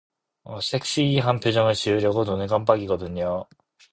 섹시한 표정을 지으려고 눈을 깜빡이거든요.